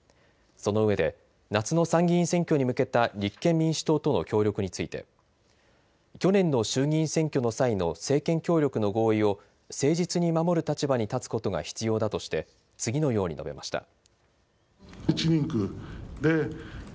その上で夏の参議院選挙に向けた立憲民主党との協力について去年の衆議院選挙の際の政権協力の合意を誠実に守る立場に立つことが必要だとして次のように述べました。